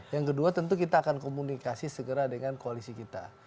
yang kedua tentu kita akan komunikasi segera dengan koalisi kita